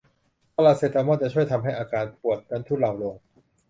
พาราเซตามอลจะช่วยทำให้อาการปวดนั้นทุเลาลง